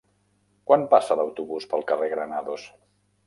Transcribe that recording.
Quan passa l'autobús pel carrer Granados?